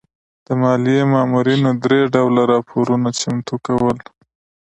د مالیې مامورینو درې ډوله راپورونه چمتو کول.